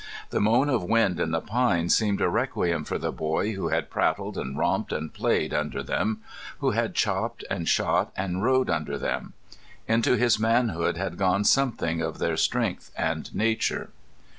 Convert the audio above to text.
The moan of wind in the pines seemed a requiem for the boy who had prattled and romped and played under them, who had chopped and shot and rode under them. Into his manhood had gone something of their strength and nature.